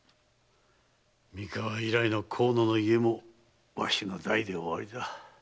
三河以来の河野の家もわしの代で終わりだ。